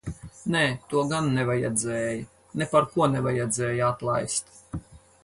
Nē, to gan nevajadzēja. Neparko nevajadzēja atlaist.